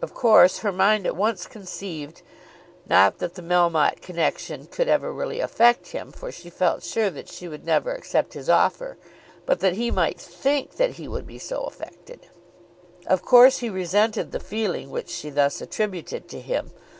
Of course her mind at once conceived, not that the Melmotte connection could ever really affect him, for she felt sure that she would never accept his offer, but that he might think that he would be so affected. Of course she resented the feeling which she thus attributed to him.